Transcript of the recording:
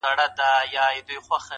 علم ذهن پیاوړی کوي.